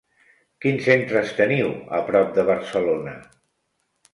Quins centres teniu a prop de Barcelona?